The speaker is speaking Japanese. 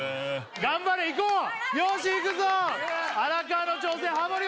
頑張れいこうよしいくぞ荒川の挑戦ハモリ